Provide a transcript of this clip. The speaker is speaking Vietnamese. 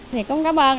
thì cũng cảm ơn ảnh ảnh